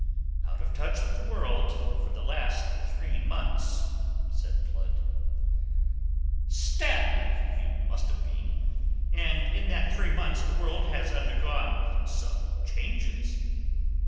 "Out of touch with the world for the last three months," said Blood. "Stab me! You must have been. And in that three months the world has undergone some changes."